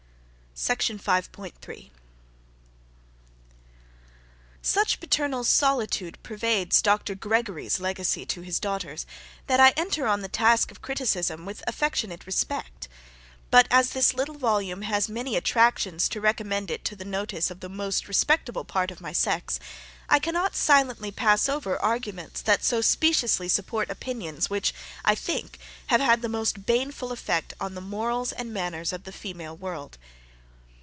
SECTION 5.3. Such paternal solicitude pervades Dr. Gregory's Legacy to his daughters, that I enter on the task of criticism with affectionate respect; but as this little volume has many attractions to recommend it to the notice of the most respectable part of my sex, I cannot silently pass over arguments that so speciously support opinions which, I think, have had the most baneful effect on the morals and manners of the female world.